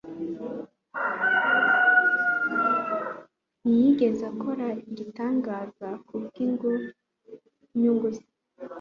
ntiyigeze akora igitangaza kubw'inyungu ze